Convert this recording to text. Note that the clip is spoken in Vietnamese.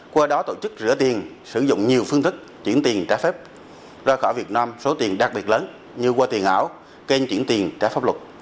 qua đó tổ chức rửa tiền sử dụng nhiều phương thức chuyển tiền trả phép ra khỏi việt nam số tiền đặc biệt lớn như qua tiền ảo kênh chuyển tiền trả pháp luật